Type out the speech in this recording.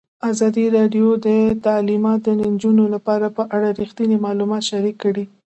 ازادي راډیو د تعلیمات د نجونو لپاره په اړه رښتیني معلومات شریک کړي.